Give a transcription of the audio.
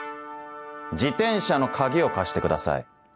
自転車の鍵を貸してください。